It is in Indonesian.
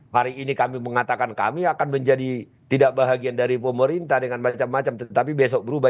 hari ini kami mengatakan kami akan menjadi tidak bahagian dari pemerintah dengan macam macam tetapi besok berubah